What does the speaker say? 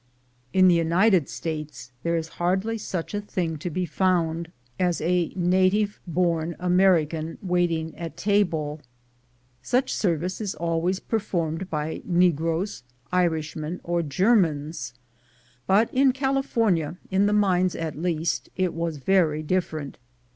In the United States there is hardly such a 164 THE GOLD HUNTERS thing to be found as a native bom American waiting at table. Such service is always performed by negroes, Irishmen, or Germans; but in California, in the mines at least, it was verj' different.